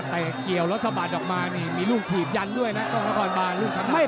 ไฟป่าหุ้นใน